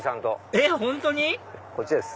えっ本当に⁉こっちです。